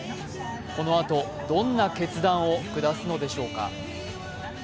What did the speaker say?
このあとどんな決断を下すのでしょうか。